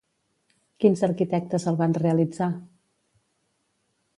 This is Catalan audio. Quins arquitectes el van realitzar?